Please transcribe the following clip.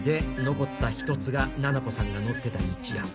残った１つがななこさんが乗ってた位置や。